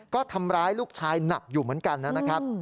ก็ทำร้ายลูกชายหนักอยู่เหมือนกันนะครับ